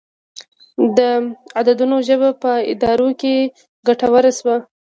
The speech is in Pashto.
د عددونو ژبه په ادارو کې ګټوره شوه.